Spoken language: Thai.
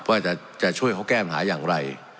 ว่าจะช่วยเขาแก้ปัญหาอย่างไร